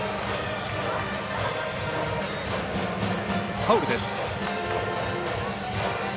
ファウルです。